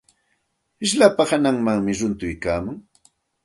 Slapa hananmanmi runtuykaamun.